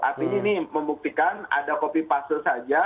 artinya ini membuktikan ada kopi paste saja